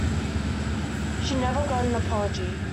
She never got an apology.